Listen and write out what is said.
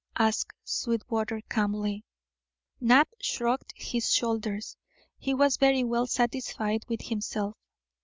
asked Sweetwater calmly. Knapp shrugged his shoulders. He was very well satisfied with himself.